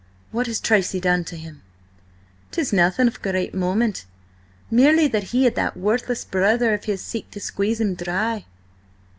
"What has Tracy done to him?" "'Tis nothing of great moment. Merely that he and that worthless brother of his seek to squeeze him dry."